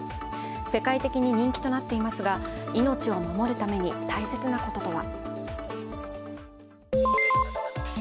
世界的に人気となっていますが命を守るために大切なこととは。